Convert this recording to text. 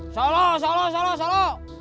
salah salah salah salah